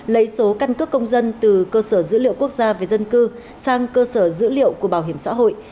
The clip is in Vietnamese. lấy số căn cước công dân từ cơ sở dữ liệu quốc gia về dân cư sang cơ sở dữ liệu của bảo hiểm xã hội